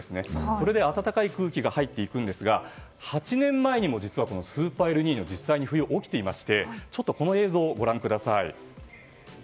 それで暖かい空気が入っていくんですが８年前にも、実はスーパーエルニーニョが実際に冬に起きていましてこちらの映像をご覧ください。